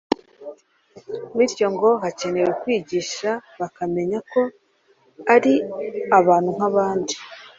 bityo ngo hakenewe kwigisha bakamenya ko ari bantu nk’abandi